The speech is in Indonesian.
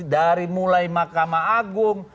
dari mulai mahkamah agung